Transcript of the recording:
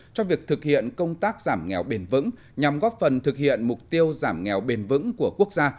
cho việc thực hiện công tác giảm nghèo bền vững nhằm góp phần thực hiện mục tiêu giảm nghèo bền vững của quốc gia